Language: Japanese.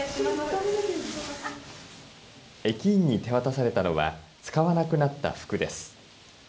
駅員に手渡されたのは使わなくなった服です。